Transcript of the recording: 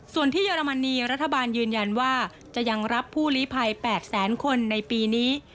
ส่วนที่เยอรมนีรัฐบาลยืนยันว่าจะยังรับผู้ลีภัย๘แสนคนในปีนี้